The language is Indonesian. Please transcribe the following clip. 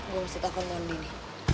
gue masih takut mon ini